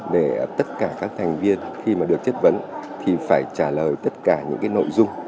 để tất cả các thành viên khi mà được chất vấn thì phải trả lời tất cả những cái nội dung